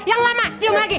yang lama cium lagi